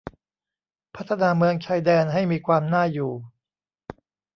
พัฒนาเมืองชายแดนให้มีความน่าอยู่